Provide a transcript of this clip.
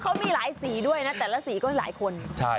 เขามีหลายสีด้วยนะแต่ละสีก็หลายคน